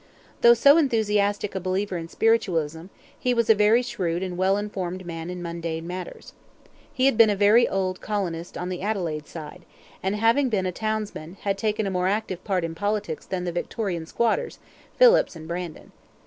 Though so enthusiastic a believer in spiritualism, he was a very shrewd and well informed man in mundane matters. He had been a very old colonist on the Adelaide side; and, having been a townsman, had taken a more active part in politics than the Victorian squatters, Phillips and Brandon.